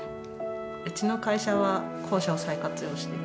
うちの会社は校舎を再活用してる。